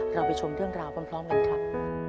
เราไปชมเรื่องราวพร้อมกันครับ